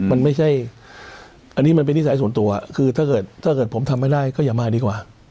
อันนี้มันเป็นนิสัยส่วนตัวถ้าเกิดผมทำไม่ได้ก็อย่ามาดีกว่า